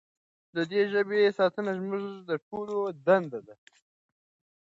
د دې ژبې ساتنه زموږ ټولو دنده ده.